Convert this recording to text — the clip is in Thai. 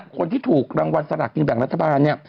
คนที่ถูกรางวัลสลากกินแบ่งรัฐบาลเนี่ย